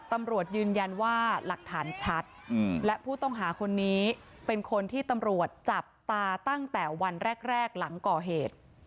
ตำรวจยืนยันว่าหลักฐานชัดและผู้ต้องหาคนนี้เป็นคนที่ตำรวจจับตาตั้งแต่วันแรกหลังก่อเหตุ